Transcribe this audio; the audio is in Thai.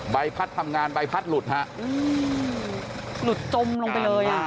ใบพัดทำงานใบพัดหลุดฮะหลุดจมลงไปเลยอ่ะ